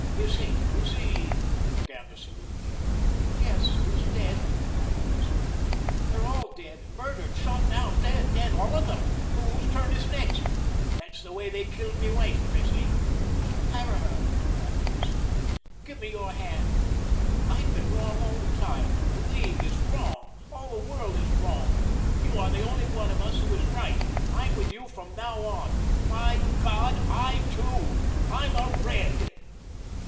"Is he is he " began the saloon keeper. "Yes, he's dead," cried Presley. "They're all dead, murdered, shot down, dead, dead, all of them. Whose turn is next?" "That's the way they killed my wife, Presley." "Caraher," cried Presley, "give me your hand. I've been wrong all the time. The League is wrong. All the world is wrong. You are the only one of us all who is right. I'm with you from now on. BY GOD, I TOO, I'M A RED!"